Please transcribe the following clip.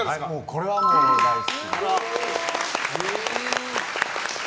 これはもう、大好きです。